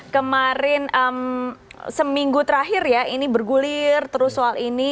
kemarin seminggu terakhir ya ini bergulir terus soal ini